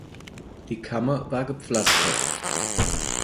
Die Kammer war gepflastert.